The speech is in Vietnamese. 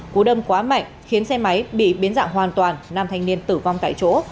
cú đâm quá mạnh khiến xe máy bị biến dạng hoàn toàn nam thanh niên tử vong tại chỗ